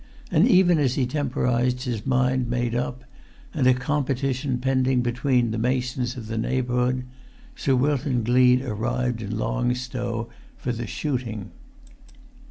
And even as he temporised, his mind made up, and a competition pending between the masons of the neighbourhood, Sir Wilton Gleed arrived in Long Stow for the shooting.